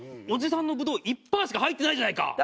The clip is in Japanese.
おじさんのぶどう１パーしか入ってないじゃないか。